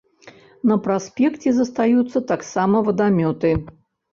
На праспекце застаюцца таксама вадамёты.